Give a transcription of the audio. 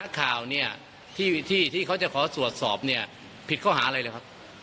ข่าวเนี่ยที่เขาจะขอตรวจสอบเนี่ยผิดข้อหาอะไรเลยครับ